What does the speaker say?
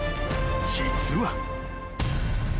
［実は］